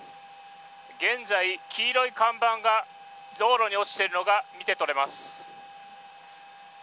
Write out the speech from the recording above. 現在、黄色い看板が道路に落ちているのが見て取れます。